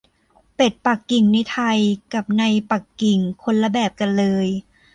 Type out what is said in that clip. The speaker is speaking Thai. เป็ดปักกิ่งในไทยกับในปักกิ่งคนละแบบกันเลย